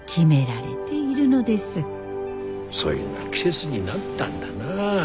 そいな季節になったんだな。